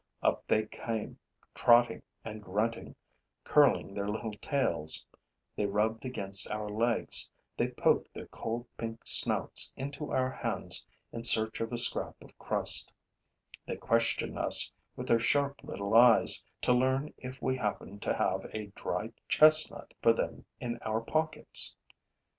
Up they came trotting and grunting, curling their little tails; they rubbed against our legs; they poked their cold pink snouts into our hands in search of a scrap of crust; they questioned us with their sharp little eyes to learn if we happened to have a dry chestnut for them in our pockets.